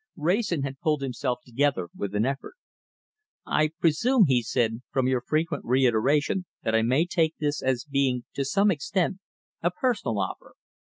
Wrayson had pulled himself together with an effort. "I presume," he said, "from your frequent reiteration, that I may take this as being to some extent a personal offer.